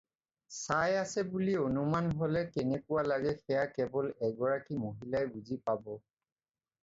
চাই আছে বুলি অনুমান হ'লে কেনেকুৱা লাগে সেয়া কেৱল এগৰাকী মহিলাই বুজি পাব।